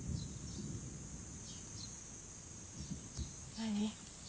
何？